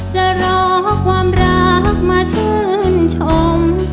จะรอความรักมาชื่นชม